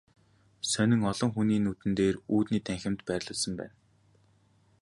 Сонин олон хүний нүдэн дээр үүдний танхимд байрлуулсан байна.